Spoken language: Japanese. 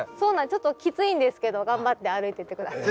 ちょっときついんですけど頑張って歩いてって下さい。